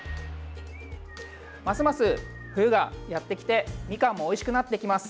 ますます冬がやってきてみかんもおいしくなってきます。